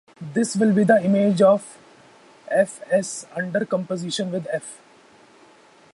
This will be the image of "f"S" under composition with "f".